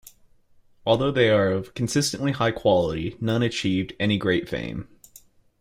Although they are of consistently high quality, none achieved any great fame.